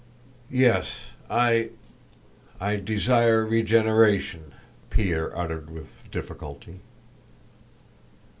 "Yes... I... I... desire regeneration," Pierre uttered with difficulty.